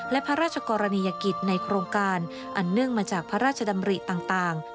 และพระราชกรณียกิจในโครงการอันเนื่องมาจากพระราชดำริต่าง